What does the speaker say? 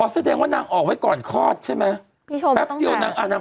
อ๋อแสดงว่านางออกไว้ก่อนคลอดใช่ไหม